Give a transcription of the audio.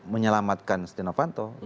menyelamatkan steno fanto